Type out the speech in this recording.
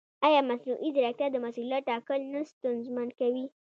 ایا مصنوعي ځیرکتیا د مسؤلیت ټاکل نه ستونزمن کوي؟